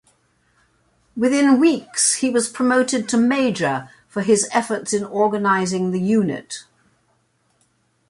Within weeks he was promoted to major for his efforts in organizing the unit.